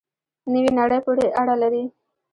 نوې نړۍ پورې اړه لري.